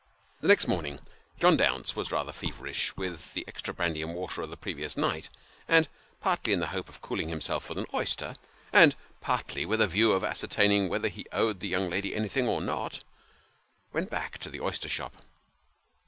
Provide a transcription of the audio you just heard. The next morning, John. Dounce was rather feverish with the extra brandy and water of the previous night ; and, partly in the hope of cooling himself with an oyster, and partly with the view of ascer taining whether he owed the young lady anything, or not, went back to the oyster shop.